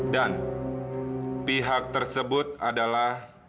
dan pihak tersebut adalah